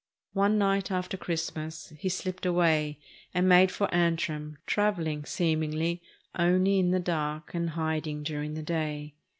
One night after Christmas he slipped away and made for Antrim, traveling, seemingly, only in the dark, and hid ing during the day.